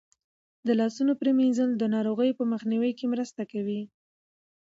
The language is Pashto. د لاسونو پریمنځل د ناروغیو په مخنیوي کې مرسته کوي.